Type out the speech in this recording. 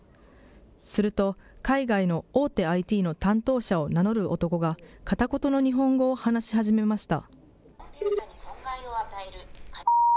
すると、海外の大手ＩＴの担当者を名乗る男が片言の日本語を話し始めました。